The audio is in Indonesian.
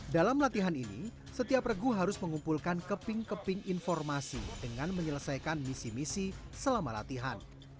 dalam latihan ini setiap regu harus mengumpulkan keping keping informasi dengan menyelesaikan misi misi selama latihan